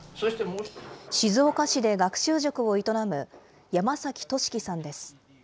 静岡市で学習塾を営む山崎俊樹さんです。